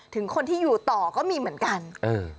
ถึงคนที่อยู่ต่อก็มีเหมือนกันเออ